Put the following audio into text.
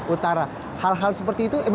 utara hal hal seperti itu